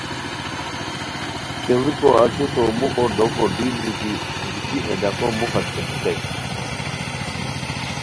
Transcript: کیڑیکو اشرو تو موخو ڈوکو ڈیل دیتی گیتی ہے ڈاقو موخہ چوٹیتائے